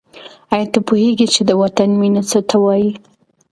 آیا ته پوهېږې چې د وطن مینه څه ته وايي؟